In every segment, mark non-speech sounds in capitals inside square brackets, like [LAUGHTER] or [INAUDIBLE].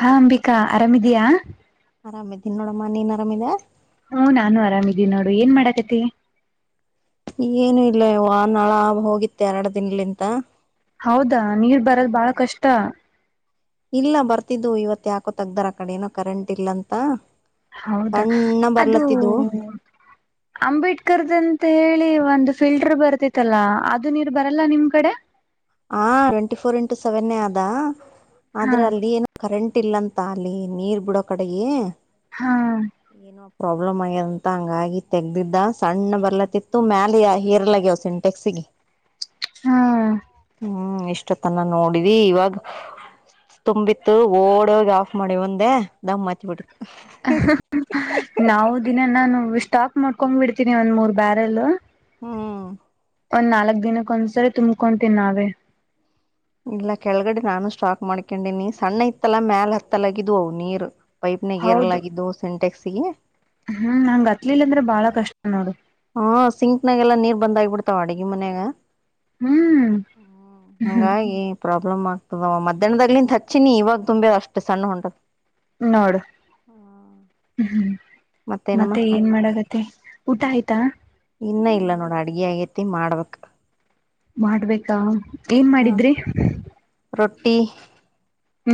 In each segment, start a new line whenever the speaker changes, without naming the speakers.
ಹಾ ಅಂಬಿಕಾ ಆರಾಮಿದಿಯಾ
ಆರಾಮ ಇದಿನ್ ನೋಡಮ್ಮ ನೀನ್ ಆರಾಮಿದೆ
ಹ್ಮ ನಾನು ಆರಾಮಿದೀನಿ ನೋಡು ಏನ್ ಮಾಡಾಕತಿ
ಏನು ಇಲ್ಲ ಇ ನಾಳ ಹೋಗಿತ್ತ ಎರಡು ದಿನಲಿಂತ
ಹೌದಾ ನೀರ್ ಬರದು ಬಾಳ ಕಷ್ಟ
ಇಲ್ಲ ಬರ್ತಿದ್ದು ಇವತ್ ಯಾಕೋ ತಗ್ದಾರ ಆ ಕಡೆ ಏನೋ ಕರೆಂಟ್ ಇಲ್ಲ ಅಂತ
ಹೌದಾ
ಸಣ್ಣ
ಅದು
ಬರ್ಲತ್ತಿದ್ದು
ಅಂಬೇಡ್ಕರ್ದ ಅಂತ ಹೇಳಿ ಒಂದು ಫಿಲ್ಟರ್ ಬರ್ತಿತ್ತಲ್ಲಾ ಅದು ನೀರ್ ಬರಲ್ಲ ನಿಮ್ ಕಡೆ
ಹ ಟ್ವೆಂಟಿ ಫೋರ್ ಇಂಟು ಸೆವೆನ್ೇ ಆದ
ಹಾ
ಆದ್ರ ಅಲ್ಲಿ ಕರೆಂಟ್ ಇಲ್ಲಂತ ಅಲ್ಲಿ ನೀರ್ ಬಿಡೋ ಕಡೆೆಯ
ಹಾ
ಏನು ಪ್ರಾಬ್ಲಮ್ ಆಗ್ಯದ ಅಂತ ಹಂಗಾಗಿ ತೆಗ್ದಿದ್ದ ಸಣ್ಣ ಬರ್ಲತಿತ್ತು ಮ್ಯಾಲ ಹೀರ್ಲ ಆಗ್ಯಾವ್ ಸಿಂಟೆಕ್ಸಿಗೆ
ಹಾ
ಹ್ಮ್ ಇಷ್ಟ ತನ್ನ ನೋಡಿದಿ ಇವಾಗ ತುಂಬಿತ್ತು ಓಡೋಗ ಆಫ್ ಮಾಡಿ ಒಂದೆ ದಮ್ ಮತಿ ಬಿಿಟ್ಟಿತ್ತುು
ನಾವು ದಿನ ನಾನು ಸ್ಟಾಕ್ ಮಾಡ್ಕೊಂಡ್ ಬಿಿಡ್ತೀನಿ ಒಂದ್ ಮೂರ್ ಬ್ಯಾರೆಲ್
ಹ್ಮ
ಒಂದ್ ನಾಲ್ಕ್ ದಿನಕ್ಕಂದ್ಸರಿ ತಂಬಕೊತೀನಿ ನಾವೇ
ಇಲ್ಲ ಕೆಳಗಡೆ ನಾನು ಸ್ಟಾಕ್ ಮಾಡ್ಕೊಂಡೀನಿ ಸಣ್ಣ ಇತ್ತಲ ಮ್ಯಾಲ ಹತ್ತಲಗಿದ್ ನೀರ್ ಪೈಪ್ ನ
ಹೌದು
ೇರಲಾಗಿದ್ದು ಸಿಂಟೆಕ್ಸ್ಗೆ
ಹ್ಮ್ ನಂಗ್ ಅತ್ಲಿಲ್ಲ ಅಂದ್ರೆ ಬಾಳ ಕಷ್ಟ ನೋಡಿ
ಹಾ ಸಿಂಕ್ನಾಗೆಲ್ಲ ನೀರ್ ಬಂದಾಗಿಬಿಡ್ತಾವ ಅಡಗಿ ಮನ್ಯಾಗ
ಹ್ಮ್
ಹ್ಮ
ಹ್ಮ್
ಹಾಗಂಗಾಗಿ ಪ್ರಾಬ್ಲಮ್ ಆಗ್ತದವ ಮಧ್ಯಾಹ್ದಾಗ್ಲಿಂತ ಹಚ್ಚಿನಿ ಇವಾಗ ತುಂಬೆ ಅಷ್ಟ ಸಣ್ಣ ಹೊಂಟ್
ನಡ ಹ್ಮ್
ಮತ್ತೇನಮ್ಮ
ಮತ್ತೆ ಏನ್ ಮಾಡಗತ್ತ ಊಟ ಆಯ್ತಾ
ಇನ್ನು ಇಲ್ಲ ನೋಡ ಅಡ್ಗೆ ಆಗೈತಿ ಮಾಡ್ಬೇಕಕ್
ಮಾಡ್ಬೇಕಾ ಏನ್
ಹ
ಮಾಡಿದ್ರಿ
ರೊಟ್ಟಿ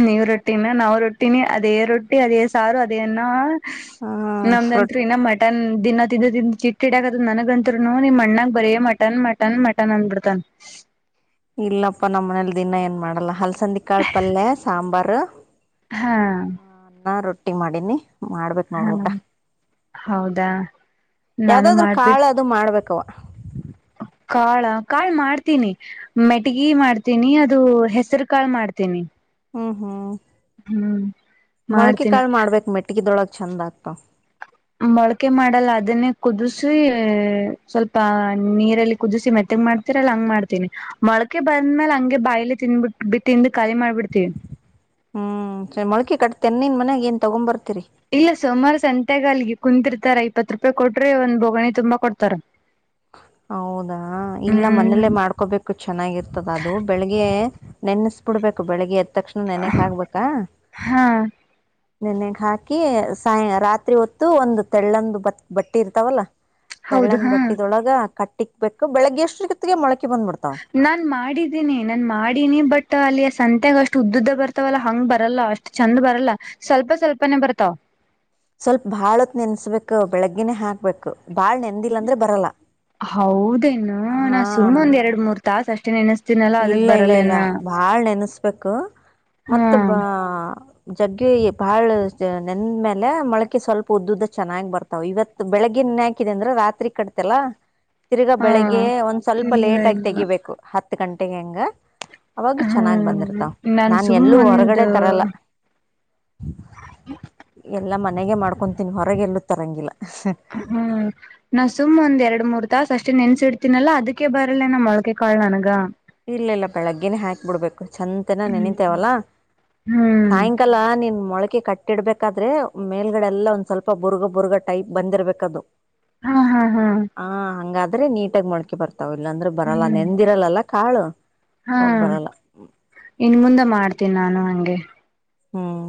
ನೀವ್ ರೊಟ್ಟಿನ ನಾವ್ ರೊಟ್ಟಿನಿ ಅದೇ ರೊಟ್ಟಿ ಅದೇ ಸಾರು ಅದೇನ
ಹ ರೊಟ್ಟಿ
ನಮ್ದಂತ್ರು ಇನ್ನ ಮ ಮಟನ್ ದಿನ ತಿಂದ ತ ಚಿಟ್ಕಿಡಾಕದ ನನ್ಗತ್ರುನು ನಿಮ್ ಅಣ್ಣಾಗ ಬರೀ ಮಟನ್ ಮಟನ್ ಮಟನ್ ಅಂದಬಿಡ್ತನ್
ಇಲ್ಲಪ್ಪ ನಮ್ಮ್ ಮನೇಲಿ ದಿನ ಏನ್ ಮಾಡಲ್ಲ ಹಲಸಂದಿ ಕಾಳ ಪಲ್ಯೆ ಸಾಂಬಾರ
ಹಾ
ಅನ್ನ ರೊಟ್ಟಿ ಮಾಡಿನಿ ಮಾಡ್ಬೇಕ
ಹಾ ಹೌದಾ ನಾನು
ಯಾವ್ದಾದ್ರು
ಮಾಡ್ಬಿ
ಕಾಳು ಅದು ಮಾಡ್ಬೇಕವ
ಕಾಳ ಕಾಳ್ ಮಾಡ್ತೀನಿ ಮೆಟಗಿ ಮಾಡ್ತೀನಿ ಅದು ಹೆಸರು ಕಾಳ ಮಾಡ್ತೀನಿ
ಹ್ಮ್ ಹ್ಮ್
ಹ್ಮ್
ಮೊಳಕೆ
ಮಾಡ್ತೀನಿ
ಕಾಳ ಮಾಡ್ಬೇಕಕ್ ಮೆಟ್ಗದೊಳಗ್ ಚಂದ ಆಗ್ತಾವ
ಮೊಳಕೆ ಮಾಡಲ್ಲ ಅದನ್ನೇ ಕುದಿಸಿ ಸ್ವಲ್ಪ ನೀರಲ್ಲಿ ಕುದಿಸಿ ಮೆತ್ತಗ್ ಮಾಡ್ ರ ಹಂಗ್ ಮಾಡ್ತಿನಿ ಮೊಳಕೆ ಬಂದ್ಮೇಲೆ ಹಂಗೆ ಬಾಯಿಲಿ ತಿಿಂದ್ಬಿಟ್ಟ ತಿಂದು ಕಲಿಿ ಮಾಡ್ಬಿಡ್ತೀವಿ
ಹ್ಮ್ ಸರಿ ಮೊಳಕೆ ಕಟ್ಟೆನ್ನನ್ ಮನ್ಯಾಗ ಏನ್ ತಗೊ್ ಬರ್ತೀರಿ
ಇಲ್ಲ ಸುಮಾರು ಸಂತೆಗ ಅಲ್ಲಿಗೆ ಕುಂತಿರ್ತಾರ ಇಪ್ಪತ್ತು ರೂಪಾಯಿ ಕೊಟ್ರಿ ಒಂದ್ ಬೋಗಣಿ ತುಂಬಾ ಕೊಡ್ತಾರ
ಹೌದಾ ಇಲ್ಲ
ಹ್ಮ್
ಮನೇಲ್ಲೇ ಮಾಡ್ಕೊಬೇಕು ಚೆನ್ನಾಗಿರ್ತದ ಅದು ಬೆಳಿಗ್ಗೆ ನೆನೆಸ್ಬಿಡ್ಬೇಕು ಬೆಳಿಗ್ಗೆ ಎತ್ತ ತಕ್ಷಣ ನೆನೆಗ್ ಹಗ್ಬೇಕಾ
ಹಾ
ನೆನೆಗ್ ಹಾಕಿ ಸಾಯ ರಾತ್ರಿ ಹೊತ್ತು ಒಂದು ತೆಳ್ಳಂದು ಬ ಬಟ್ಟೆ ಇರ್ತಾವಲ್ಲ
ಹೌದು
ತಳ್ಳನ್
ಹಾ
ಬಟ್ಟಿದೊಳಗ ಕಟ್ಟಿಕ್ಬೇಕು ಬೆಳಿಗ್ಗೆ ಎಷ್ಟ್ರ ಜೊಿಗೆ ಮೊಳಕೆ ಬಂದ್ಬಿಡ್ತಾವ್
ನಾನ್ ಮಾಡಿದ್ದೀನಿ ನಾನನ್ ಮಾಡಿನಿ ಬಟ್ ಅಲ್ಲಿ ಸಂತೆಾಗ ಅಷ್ಟು ಉದ್ದದ್ದ ಬರ್ತವಲ್ಲ ಹಂಗ್ ಬರಲ್ಲ ಅಷ್ಟ ಚಂದ ಬರಲ್ಲ ಸ್ವಲ್ಪ ಸ್ವಲ್ಪನೇ ಬರ್ತಾವ
ಸ್ವಲ್ಪ ಬಾಳತ್ ನೆನ್ಸ್ಬೇಕು ಬೆಳಗ್ಗೆಿನೇ ಹಾಕ್ಬೇಕು ಬಾಳ್ ನೆನ್
ಹೌದೇನು
ಆ
ನಾ ಸುಮ್ಮ್ ಒಂದ್ ಎರಡು ಮೂರ್ ತಾಸ ಅಷ್ಟೇ ನೆನಸ್ತ
ಇಲ್ಲ ಇಲ್ಲ ಇಲ್ಲ ಬಾಳ್ ನೆನಸ್ಬೇಕು ಮತ್ತ
ಹ್ಮ್
ಬಾ ಜಗ್ಗಿ ಬಾಳ ನೆಂದ ಮೇಲೆ ಮೊಳಕೆ ಸ್ವಲ್ಪ ಉದ್ದದ್ದ ಚೆನ್ನಾಗಿ ಬರ್ತದೆ ಇವತ್ತು ಬೆಳಗ್ಗೆನ್ ಹಾಕಿದೆ ಅಂದ್ರ ರಾತ್ರಿ ಕಟ್ತಲ್ಲ ತಿರ್ಗಾ
ಹಾ
ಬೆಳಿಗ್ಗೆ ಒಂದ್ ಸ್ವಲ್ಪ
ಇಲ್ಲ
ಲೇಟ್ ಆಗಿ
ಇಲ್ಲ
ತೆಗಿಬೇಕು ಹತ್ತು ಗಂಟೆೆಗೆ ಹಂಗ ಅವಾಗ ಚೆನ್ನಾಗ್
ಹ್ಮ
ಬಂದಿರ್ತಾವ್ ನಾನ್
ಸುಮ್ಮ
ಎಲ್ಲೂ
ಒಂದು
ಹೊರಗಡೆ ತರಲ್ಲ ಎಲ್ಲ ಮನೆಗೆ ಮಾಡ್ಕೊತೀನಿ ಹೊರಗೆ ಎಲ್ಲೂ ತರಂಗಿಲ್ಲ
ಹ್ಮ್ ನಾ ಸುಮ್ ಒಂದ್ ಎರಡ್ ಮೂರ್ ತಸ್ ಅಷ್ಟೇ ನೆನ್ಸಿಡ್ತಿನನಲ್ಲ ಅದಕ್ಕೆ ಬರಲ್ಲೇ ನಮ್ಮ ಮೊಳ್ಕೆ ಕಾಳ ನನಗ
ಇಲ್ಲ ಇಲ್ಲ ಬೆಳಗ್ಗೆಿನ ಹಾಕ್ ಬಿಡ್ಬೇಕು ಚಂದ
ಹ್ಮ್
ನೆನಂತೇವಲ್ಲ
ಹ್ಮ್
ಸಾಯಂಕಾಲ ನೀನ್ ಮೊಳಕೆ ಕಟ್ಟ ಕಟ್ಟಿಡ್ಬೇಕಾದ್ರೆ ಮೇಲ್ಗಡೆ ಎಲ್ಲ ಒಂದ್ ಸ್ವಲ್ಪ ಬುರ್ಗ ಬುರ್ಗ ಟೈಪ್ ಬಂದಿರ್ಬೇಕದು
ಹಾ ಹಾ ಹಾ
ಹ ಹಂಗಾದ್ರೆ ನೀಟಾಗಿ ಮೊಕೆ ಬರ್ತಾವ್ ಇಲ್ಲಾಂದ್ರೆ ಬರಲ್ಲ
ಹ್ಮ್
ನೆಂದಿರಲ್ಲಲ್ಲ ಕಾಳು
ಹಾ
ಹೋಗ್ ಬರಲ್ಲ
ಇನ್ ಮುುಂದೆ ಮಾಡ್ತೀನಿ ನಾನು ಹಂಗೆ
ಹ್ಮ್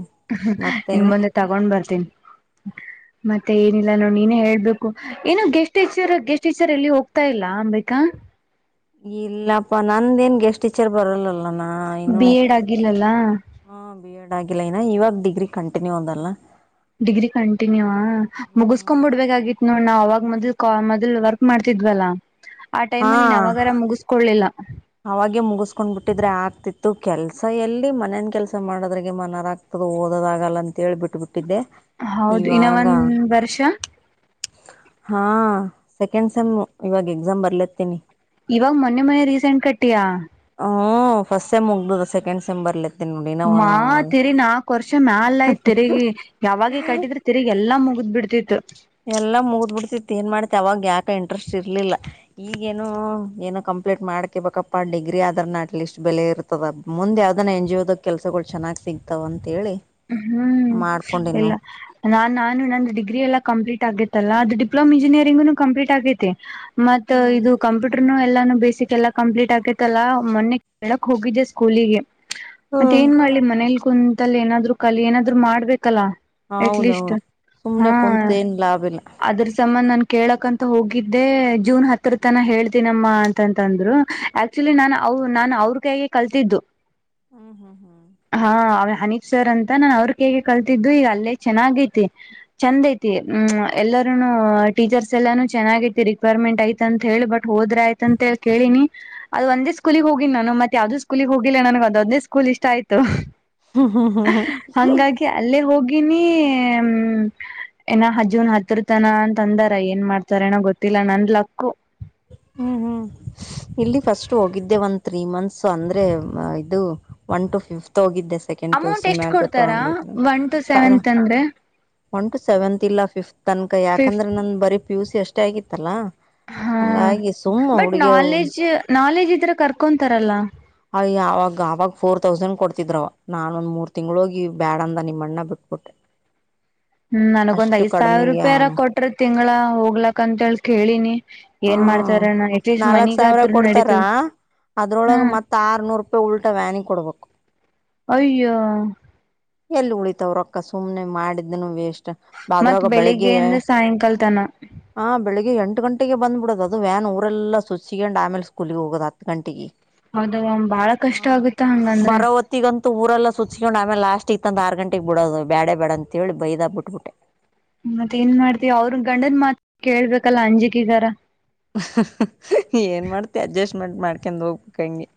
ಇನ್ ಮುಂದೆ ತಗೊಂಡ್ ಬರ್ತೀನಿ
ಹ
ಮತ್ತೆ ಏನಿಲ್ಲ ನೋಡ್ ನೀನೇ ಹೇಳ್ಬೇಕು ಏನೋ ಗೆಸ್ಟ್ ಚರ್ ಗೆಸ್ಟ್ ಟೀಚರ್ ಎಲ್ಲಿ ಹೋಗ್ತಾ ಇಲ್ಲಾ ಅಂಬಬೇಕಾ
ಇಲ್ಲಪ್ಪಾ ನಂದೇನ್ ಗೆಸ್ಟ್ ಟೀಚರ್ ಬರಲ್ಲಲ್ಲ
ಬಿ ಎಡ್ ಆಗಿಲ್ಲಲ್ಲ
ಹಾ ಬಿ ಎಡ್ ಆಗಿಲ್ಲ ಇನ ಇವಾಗ ಡಿಗ್ರಿ ಕಂಟಿನ್ಯೂ ಅದಲ್ಲ
ಡಿಗ್ರಿ ಕಂಟಿನ್ಯೂ ಮುಗಿಸಸ್ಕೊ್ ಬಿಡ್ಬೇಕಾಗಿತ್ತು ನೋಡ್ ನಾ ಅವವಾಗ ಮೊದಲ್ ಕ ಮೊದ್ಲ್ ವರ್ಕ್ ಮಾಡ್ತಿದ್ವಲ್ಲಾ
[UNINTELLIGIBLE]
ಆ ಟೈಮ್ ಅಲ್ಲಿ ನಾವಾಗಾರ ಮುಗಿಸ್ಕೊೊಳ್ಳಲಿಲ್ಲ
ಅವಾಗೆ ಮುಗಿಸ್ಕೊಂಡ್ ಬಿಟ್ಟಿದ್ರೆ ಆಗ್ತಿತ್ತು ಕೆಲ್ಸ ಎಲ್ಲಿ ಮನೇನ್ ಕೆಲ್ಸ ಮಾಡೋದ್ರೆ ಮನರ ಆಗ್ತಿ ಮದ ಓದೋದಗಲ್ಲ ಅಂತ ಹೇಳಿ ಬಿಟ್ಟುಬಿಟ್ಟಿದ್ದೆ
ಹೌದು ಇನ್ನ
ಇವಾಗ
ಒಂದ್ ವರ್ಷ
ಹಾ ಸೆಕೆಂಡ್ ಸೆಮ್ಇವಾಗ ಎಕ್ಸಾಮ್ ಬರ್ಲತ್ತೀನಿ
ಇವಾಗ ಮೊನ್ನೆ ಮೊನೆೆ ರೀಸೆಂಟ್ ಕಟ್ಟಿಯಾ
ಹ್ಮ್ ಫಸ್ಟ್ ಸೆಮ್ ಮುಗ್ದ ಸೆಕೆಂಡ್ ಸೆಮ್ ಬರ್ಲತೆ
ಮಾ ತಿರಿ ನಾಕ ವರ್ಷ ಮ್ಯಾಲಯ್ತ್ ತೆರಗಿ ಯಾವಾಗ ಕಟ್ಟಿದ್ರೆ ತಿರುಗ್ ಎಲ್ಲಾ ಮುಗಿದ್ ಬಿಡ್ತಿತ್ತು
ಎಲ್ಲಾ ಮೂದ್ ಬಿಡ್ತಿ ತಿನ್ ಮಾಡ್ತಿ ಅವಾಗ ಯಾಕ ಇಂಟ್ರೆಸ್ಟ್ ಇರ್ಲಿಲ್ಲ ಈಗೇನು ಏನು ಕಂಪ್ಲೀಟ್ ಮಾಡ್ಕ ಬಬೇಕಪ್ಪಾ ಡಿಗ್ರಿ ಆದ್ರ ನ ಅಟ್ ಲೀಸ್ಟ್ ಬೆಲೆ ಇರುತ್ತ ತದ ಮುಂದ್ ಯಾವ್ದನ ಎನ್ ಜಿ ದ ಕೆಲ್ಸಗಳು ಚೆನ್ನ್ ಸಿಗ್ತಾವ ಅಂತ ಹೇಳಿ
ಹ್ಮ್ ಎಲ್ಲ ನಾನ್ ನಾನು ನಂದು ಡಿಗ್ರಿ ಎಲ್ಲ ಕಂಪ್ಲೀಟ್ ಆಗೇತ್ತಲ್ಲ ಅದು ಡಿಪ್ಲೋಮಾ ಇಂಜಿನಿಯರಿಂಗುನು ಕಂಪ್ಲೀಟ್ ಆಗೈತೆ ಮತ್ತ ಇದು
ಹ್ಮ್
ಕಂಪ್ಯೂಟರ್ನು ಎಲ್ಲಾನು ಬೇಸಿಕ್ ಎಲ್ಲ ಕಂಪ್ಲೀಟ್ ಆಕೈತಲ್ಲ ಮೊನ್ನೆ ಕೇಳಕ್ ಹೋಗಿದ್ದೆ ಸ್ಕೂಲಿಗೆ ಮತ್ತ ಏನ್ ಮಾಡ್ಲಿ ಮನೇಲಿ ಕುಂತಲ್ಲಿ ಏನಾದ್ರು ಕಲಿ ಏನಾದ್ರು ಮಾಡ್ಬೇಕಲ್ಲ ಎಟ್ಲೀಸ್
ಹೌದೌದು
ಹಾ
ಸುಮ್ನೆ ಕುಂತ ಏನ್ ಲಾಭ ಇಲ್ಲ
ಅದ್ರ ಸಂಬಂಧನ್ ಕೇಳಕಂತ ಹೋಗಿದ್ದೆ ಜೂನ್ ಹತ್ರರ ತನ ಹೇಳ್ತನಮ್ಮ ಅಂತಂತಂದ್ರು ಆಕ್ಚುಲಿ ನಾನು
ಹ್ಮ್
ಅವ ನಾನು ಅವ್ರ ಕೈಗೆ ಕಲ್ತಿದ್ದು
ಹಾ ಹಾ ಹಾ
ಹಾ ಹನೀಪ್ ಸರ್ ಅಂತ ನಾನ್ ಅವ್ರ ಕ ಹೇಗೆ ಕಲ್ತಿದ್ದು ಈಗ ಅಲ್ಲೇ ಚೆನ್ನಾಗೈತಿ ಚಂದ ಐತಿ ಹ ಎಲ್ಲರೂನು ಟೀಚರ್ಸ್ ಎಲ್ಲಾನು ಚೆನ್ನಾಗ ಐತಿ ರಿಕ್ವರ್ಮೆಂಟ್ ಐತ ಅಂತ ಹೇಳಿ ಬಟ್ ಹೋದ್ರ ಆಯ್ತಂತೇಳ ಕೇಳಿನಿ ಅದು ಒಂದೇ ಸ್ಕೂಲಿಗೆ ಹೋಗಿನಿ ನಾನು ಮತ್ತ ಯಾವ್ದದ ಸ್ಲಿ ಹೋಗಿಲ್ಲನಗೆ ಅದೇ ಸ್ ಇಷ್ಟ ಆಯ್ತು
ಹ್ಮ್ ಹಾ ಹಾ ಹಾ
ಹಂಗಾಗಿ ಅಲ್ಲೇ ಹೋಗಿನಿ ಏನ ಹಜೂನ್ ಹತ್ರರತನ ಅಂತ ತಂದಾರ ಏನ್ ಮಾಡ್ತಾರ ಏನೋ ಗೊತ್ತಿಲ್ಲ ನಂದ್ ಲಕ್ಕ
ಹ್ಮ್ ಹ್ಮ್ ಇಲ್ಲಿ ಫಸ್ಟ್ ಹೋಗಿದ್ದೆ ಒಂದ ತ್ರೀ ಮಂತ್ಸ್ ಅಂದ್ರೆ ಇದು ಒನ್ ಟು ಫಿಫತ್ ಹೋಗಿದ್ದೆ ಸೆಕೆಂಡ್
ಅಮೌಂಟ್
ಪಿುಸಿ
ಎಷ್ಟು
ಮ್ಯಾಗ
ಕೊಡ್ತಾರಾ
ತಗೊಂಡಿದ್ನ
ಒನ್ ಟು
ಕಳ
ಸೆವೆಂತ್ ಅಂದ್ರೆ
ಒನ್ ಟು ಸೆವೆಂತ್ ಇಲ್ಲ ಫಿಫ್ತ್ ತನಕ
ಫಿಫ್
ಯಾಕಂದ್ರೆ ನಂದ ಬರೀ ಪಿ ಯು ಸಿ ಅಷ್ಟೇ ಆಗಿತ್ತಲ್ಲಾ
ಹಾ ಬಟ್ ನಾಲೆಜ್ ನಾಲೆಜ್ ಇದ್ರೆ ಕರ್ಕೊಂತಾರಲ್ಲ
ಆ ಯಾವಾಗ ಅವಾವಾಗ ಫೋರ್ ತೌಸಂಡ್ ಕೊಡ್ತಿದ್ವ ನಾನೊಂದ ಮೂರ್ ತಿಂಗ್ಳ ಹೋಗಿ ಬ್ಯಾಡ ಅಂದ ನಿಮ್ಮ ಅಣ್ಣ ಬಿಟ್ಬಿಟ್ಟೆ [UNINTELLIGIBLE]
ಹ್ಮ್ ನನಗ ಒಂದ್
ಅಷ್ಟು
ಐದ ಸಾವಿರ
ಕಡಿಮೆಗೆ
ರೂಪಾಯಿರ ಕೊಟ್ರ ತಿಂಗಳ ಹೋಗ್ಲಕ್ ಅಂತೇಳಿ ಕೇಳಿನಿ
ಹಾ
ಏನ್ ಮಾಡ್ತಾರಣ್ಣ ಅಟ್ಲೀಸ್ಟ್ ಮನಗಾದ್ರೂ ನಡೀತದ ಹಾ
ಅದ್ರೊಳಗೆ ಮತ್ ಆರ್ನೂರ್ ರೂಪಾಯಿ ಉಲ್ಟಾ ವ್ಯಾನಿ ಕೊಡ್ಬೇಕು
ಅಯ್ಯ
ಎಲ್ಲಿ ಉಳಿತವ್ರೊಕ್ಕ ಸುಮ್ನೆ ಮಾಡಿದ್ನು ವೇಸ್
ಮತ್
ಬೆಳಗ್ಗೆ ಬೆಳಗ್ಗೆ
ಬೆಳಿಗ್ಗೆಯಿಂದ ಸಾಯಂಕಾಲ ತನ
ಎ ಗಂ ಗಟ್ಟಿಗೆ ಬ್ಬ ಬಿಡೋದು ಅದು ವ್ಯಾನ್ ಊರೆಲ್ಲ ಸುಚ್ಕೊಂಡ್ ಆಮೇಲೆ ಸ್ಕೂಲಿಗೆ ಹೋಗೋದು ಹತ್ತು ಗಂಟೆಗೆ
ಹೌದ ಬಾಳ ಕಷ್ಟ ಆಗತ್ತ ಹಂಗಂದ್ರೆ
ಇಗಂತೂಊಲ್ಲ ಸುಚ್ಕೊಂಡ್ ಆಮೇ ಲಾಸ್ಟ್ ಇತ್ತಂತಂದ ಆರು ಗಂಟೆಗೆ ಬಿಡೋದು ಬೇಡ ಬೇಡ ಅಂತಿ ಬೈದ ಬಿಟ್ಬಿಟ್ಟೆ
ಮತ್ತೆ ಏನ್ ಮಾಡ್ತತಿವಿ ಅವ್ರ ಗಂಡದ ಮಾತ್ ಕೇಳ್ಬೇಕಲ್ಲಾ ಅಂಜಿಕೆಗಾರ
ಏನ್ ಮಾಡ್ತಿ ಅಡ್ಜಸ್ಟ್ಮೆಂಟ್ ಮಾಡ್ಕೊಂಡ್ ಹೋಗ್ಬೇಕುಂಗೆ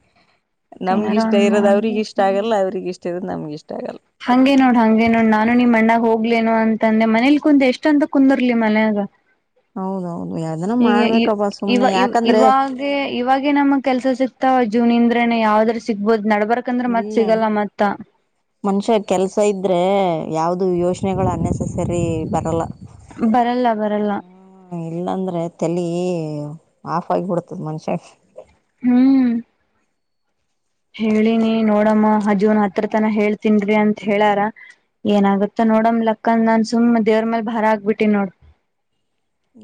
ಮತ್
ನಮ್ಗ
ಏನಾರ
ಇಷ್ಟ
ಒಂದ್
ಇರೋದ ಅವ್ರಿಗ ಇಷ್ಟ
ಮಾಡ್ಬೇಕು
ಆಗಲ್ಲ ಅವ್ರಿಗ ಇಷ್ಟ ಇರೋದ್ ನಮ್ಗ ಇಷ್ಟ ಆಗಲ್ಲ
ಹಂಗೆ ನೋಡ್ ಹಂಗೆ ನೋಡ್ ನಾನು ನಿಮ್ ಅಣ್ಣಾಗ ಹೋಗ್ಲೇನು ಅಂತ ಅಂದೆ ಮನೇಲಿ ಕುಂತ ಎಷ್ಟ ಅಂತ ಕುಂದರ್ಲಿ ಮನ್ಯಾಗ
ಹೌದೌದು ಯದನ್ನು
ಈಗ
ಮಾಡ್ಬೇಕಪ್ಪ ಸುಮ್ನೆ ಯಾಕಂದ್ರೆ
ಇವಾಗೇ ನಮ್ ಕೆಲ್ಸ ಸಿಕ್ತಾವ ಜೂನ್ ಇಂದ್ರೇನ ಯಾವ್ದ್ರ ಸಿಗ್ಬಹದು ನಡ್ಬಾರ ಯಾಕಂದ್ರೆ ಮತ್
ಇಲ್ಲ
ಸಿಗಲ್ಲ ಮತ್ತ
ಮನುಷ್ಯ ಕೆಲ್ಸ ಇದ್ರೆ ಯಾವವು್ದ ಯೋಜನೆಗಳು ಅನ್ೆಸಸರಿ ಬರಲ್ಲ
ಬರಲ್ಲ ಬರಲ್ಲ
ಹ ಇಲ್ಲಾಂದ್ರೆ ತೆಲಿ ಆಫ್ ಆಗಿಬಿಡ್ತದ ಮನುಷ್ಯ
ಹ್ಮ್ ಹೇಳಿನಿ ನೋಡಮ್ಮ ಅಜುನ್ ಹತ್ರ ತನ ಹೇಳ್ತನ್ ಅಂತ ಹೇಳಾರ ಏನಾಗಗುತ್ತ ನೋಡ್ ಲಕ್ಕಂದ ನಂದ ಸು್ ದವ್ರ ಮೇಲ್ ಭಾರ ಆಗ್ಬಿಟ್ಟಿ ನೋಡ್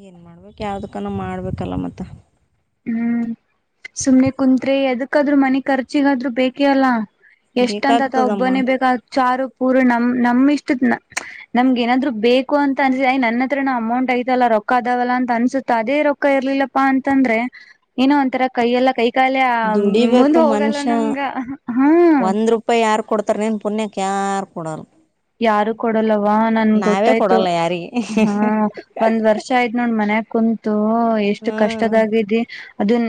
ಏನ್ ಮಾಡ್ಬೇಕು ಯಾವ್ದಕ್ಕಾನ ಮಾಡ್ಬೇಕಲ್ಲ ಮತ್ತ
ಹ್ಮ್ ಸುಮ್ಮನೆ ಕುಂತ್ರಿ ಎದಕ್ಕಾದ್ ಮನೆ ಖರ್ಚಿಗಾದ್ರು ಬೇಕೇ ಅಲ್ಲ ಎಷ್ಟಂತತ
ಬೇಕಾಗ್ತದಮ್ಮ
ಒಬ್ಬನೇ ಬೇಕ ಚಾರು ಪೂರು ನಮ ನಮ ಇಷ್ಟತ್ನ ನಮ್ಗೆ ಏನಾದ್ರು ಬೇಕ ಅನ್ಸತಯ ನನ್ನ ಹತ್ರನ ಅಮೌಂಟ್ ಐತಲ್ಲ ರೊಕ್ ಅಾವಲ್ಲ ಅನ್ಸುತ್ತ ಅದ ರೊ ಅಕ್ಕ ಇರ್ಲಿಲ್ಲಪ್ಪಾ ಅಂತಂದ್ರೆ ಏನೋ ಒಂಥರ ಕೈಯ ಎಲ್ಲ ಕೈಕಾಲೆ ಮುಂದ
ದುಡಿಬೇಕು
ಹೋಗಲ್ಲ ನಮ್ಗ ಹಾ
ಪಪ್ಪ ಯಾರು ಕೊಡ್ತಾರೆ ನೀನ್ ಪುಣ್ಯಕ್ಕೆ ಯಾರು ಕೊಡೋರು
ಯಾರು ಕೊಡಲ್ಲವಾ ನನ್
ನಾವೇ
ಗೊತ್ತಾಯ್ತು
ಕೊಡಲ್ಲ ಯಾರಿಗೆ
ಹ ಒಂದ್ ವರ್ಷ ಷ ಆಯ್ ನೋಡ್ ಮನ್ಯಕ್ ಕುಂತು ಎಷ್ಟು
ಹ್ಮ್
ಕಷ್ಟದಾಗಿದಿ ಅದನ್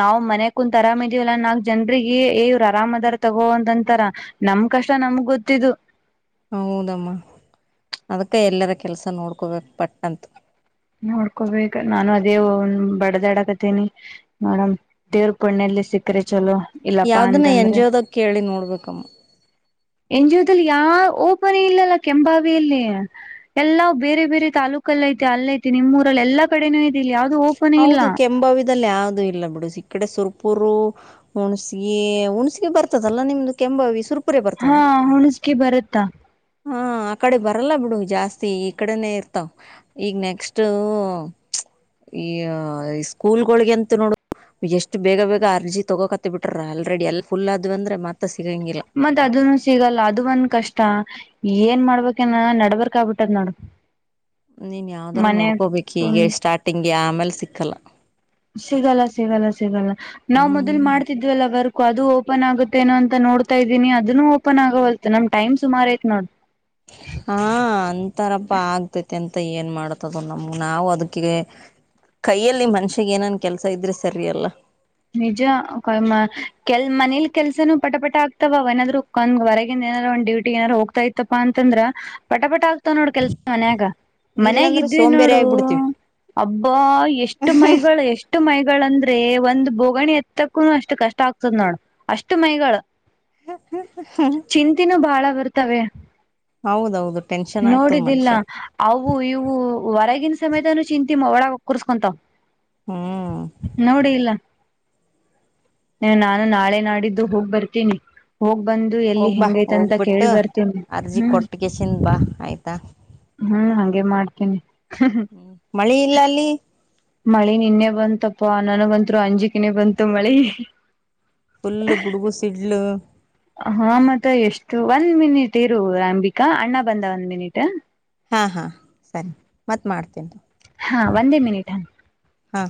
ನಾವ್ ಮನೆ ಕುಂತತ್ ಆರಾಮ್ ಇದಿವವಲ್ಲ ನಾಕ್ ಜನ್ರಿಗೆ ವ್ರು ಆರಾಮದಾರ್ ತಗೋಂತಂತಾರ ನಮ್ ಕಷ್ಟ ನಮ್ಗ್ ಗೊತ್ತಿದ್ದು
ಹೌದಮ್ಮ ಅದಕ್ಕೆ ಎಲ್ಲರ ಕೆಲಸ ನೋಡ್ಕೋಬೇಕು ಪಟ್ಟಂತು
ನೋಡ್ಕೋಬೇಕ ನಾನು ಅದೇ ಒ ಬಡದಡಕತೇನಿ ಮಡ್ ದೇವ್ರ ಪಣ್ಣೆಯಲ್ಲಿ ಸಿಕ್ಕ್ರೆ ಚಲೋ ಇಲ್ಲಪ್ಪಾ
ಯಾವ್ದನ ಎನ್
ಅಂತಂದ್ರೆ
ಜಿ ಒದ ಕೇಳಿ ನೋಡ್ಬೇಕಮ್ಮ
ಎನ್ ಜದಲ್ಲಿ ಯಾವ ಓಪನಿ ಇಲ್ಲಲ್ಲ ಕೆಂಬಾವಿಯಲ್ಲಿ ಎಲ್ಲಾ ಬೇರೆ ಬೇರೆ ತಾಲೂಕಲ್ಲ ಐತಿ ಅಲ್ಲೈಐತಿ ನಿಮ್ೂಊರಲ್ಲಿ ಎಲ್ಲಾ ಕಡೆನೂ ಇದಿಲ್ಲ ಯಾವವು್ದ ಹೋಗ
ಹೌದು ಕೆಂಂಬವಿದದಲ್ಲಿ ಯಾವುೂ ಇಲ್ಲ ಬಿ ಈ ಕಡೆ ಸುರ್ಪುರು ಹುಣ್ಸಿಗೆಿ ಹುಣ್ಸಿಗೆಿ ಬರ್ತದಲ್ಲ ನಿಮ್ದು ಕೆಂಂಬಾವಿ ಸುರ್ಪು
ಹಾ ಹುಣಸ್ಕಿ ಬರುತ್ತಾ
ಹಾ ಆ ಕಡೆ ಬರಲ್ಲ ಬಿಡು ಜಾಸ್ತಿ ಈ ಕಡೆನೇ ಇರ್ತಾವ್ ಈಗ್ ನೆಕ್ಸ್ಟ್ ಈ ಸ್ಕೂಲ್ಗಳೊಗೆಂತು ನೋಡ ಎಷ್ಟು ಬೇಗ ಬೇಗ ಅರ್ಜಿ ತೊಗೋಕತ್ತ ಬಿಟ್ರ ಆಲ್ರೆಡಿ ಎಲ್ ಫುಲ್ ಆದ್ ಅಂದ್ರೆ ಮತ್ರ ಸಿಗಂಗಿಲ್ಲ
ಮತ್ತ್ ಅದನು ಸಿಗಲ್ಲ ಅದು ಒಂದ್ ಕಷ್ಟ ಏನ್ ಮಾಡ್ಬೇಕನ ನಡ್ಬರ್ಕ್ ಆಗ್ಬಿಟ್ಟದ್ ನೋಡು
ನೀನ್ ಯಾವ್ದಾರ
ಮನೆ
ನೋಡ್ಕೋಬೇಕು ಹೀಗೆ ಸ್ಟಾರ್ಟಿಂಗ್ಗೆ ಆಮೇಲೆ ಸಿಕ್ಕಲ್ಲ
ಸಿಗಲ್ಲ ಸಿಗಲ್ಲ ಸಿಗಲ್ಲ ನಾವ್ ಮೊದ್ಲ್
ಹ್ಮ್
ಮಾಡ್ತಿದ್ವಲ್ಲ ಬರ್ ಅದು ಓಪನ್ ಆಗುತ್ತ ನು ಅಂತ ನೋತಾ ಇದೀನ ಅದುೂ ಓಪನ್ ಆಗೋಲ್ ನಮ ಮ್ ಸುಮಾರ ಐತ ನೋಡ
ಹಾ ಅಂತಾರಪ್ಪ ಆಗ್ತೇತಿ ಅಂತ ಏನ್ ಮಾಡ್ತದ ನಮ ನಾವವು ಅದಕ ಕೈಯಲ್ಲಿ ಮನ್ಷ್ಯಗ್ ಏನನ್ ಕೆಲ್ಸ ಇದ್ರೆ ಸರಿ ಅಲ್ಲ
ನಿಜ ಕೆಲ್ ಮನೇಲಿ ಕೆಲ್ಸನೂ ಪಟಪಟ ಆಗ್ತಾವ ಅವ ಏನಾದ್ರು ಒಂದ್ರೆಗ ಏನಾರ ಒ ಡೂಟಿ ಏನಾರರು ಹೋಗ್ತಾಐತ್ತಪ್ಪ ಅಂದ್ರ ಪಟಪಟ ಆಗ್ತಾವ ನೋಡ್ ಕೆಲ್ಸ ಮನ್ಯಾಗ.
ಇಲ್ಲಾಂದ್ರೆ
ಮನಾಗಿದ್ವಿ
ಸೋಂಬೇರಿ
ನೋಡು
ಆಗ್ಬಿಡ್ತಿವಿ
ಅಬ್ಬಾ ಎಷ್ಟು ಮೈಗಳು ಎಷ್ಟು. ಬಿಟ್ಟು ಮೈಗಳಂದ್ರೆ ಒಂದು. ಬೋಗಣಿ ಎತ್ತಕ್ಕ ಅಷ್ಟು ಕಷ್ಟ ಆಗ್ತದ ನೋಡ ಅಷ್ಟು ಮೈಗಳ್.
ಹ ಹ ಹ.
ಚಿಂತಿನೂ ಬಾಳ ಬರ್ತವೆ.
ಹೌದೌದು ಟೆನ್ಷನ್ ಆಗ್ತದ
ನೋಡಿದಿಲ್ಲ
ಮನುಷ್ಯಗ್.
ಅವು ಇವು ಹೊರಗಿನ ಸಮೇತನು ಚಿಂತಿ ಒಳಗ ಒಕ್ಕುರ್ಸ್ಕೊಂತಾವ್.
ಹ್ಮ್
ನೋಡಿ ಇಲ್ಲ. ಏ ನಾನು ನಾಳೆ ನಾಡಿದ್ದು ಹೋಗ್ ಬರ್ತೀನಿ. ಹೋಗ್ ಬಂದು ಎಲ್ಲಿ
ಹೋಗ್ಬಾ
ಹೆಂಗೈತ ಅಂತ
ಹೋಗ್ಬಿಟ್ಟು
ಕೇಳಿ ಬರ್ತೇನಿ
ಅರ್ಜಿ
ಹ್ಮ್.
ಕೊಟ್ಟಗೆಸಿಂದ ಬಾ ಆಯ್ತಾ
ಹ್ಮ್ ಹಂಗೆ ಮಾಡ್ತೀನಿ.
ಹ್ಮ್ ಮಳೆ ಇಲ್ಲ ಅಲ್ಲಿ.
ಮಳಿ ನಿನ್ನೆ ಬಂತಪ್ಪಾ ನನಗಂತ್ರು ಅಂಜಿಕಿನೇ ಬಂತು ಮಳಿ.
ಫುಲ್ ಗುಡುಗು ಸಿಡ್ಲು.
ಹಾ ಮತ್ತ ಎಷ್ಟು, ಒಂದ್ ಮಿನಿಟ್ ಇರು ಅಂಬಿಕಾ ಅಣ್ಣ ಬಂದ ಒಂದ್ ಮಿನಿಟ.
ಹಾ ಹಾ ಸರಿ ಮತ್ ಮಾಡ್ತೀನ್ರಿ.
ಹಾ ಒಂದೇ ಮಿನಿಟ.
ಹಾ